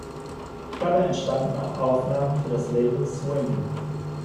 Dabei entstanden auch Aufnahmen für das Label Swing.